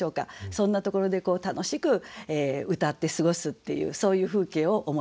そんなところで楽しく歌って過ごすっていうそういう風景を思い浮かべました。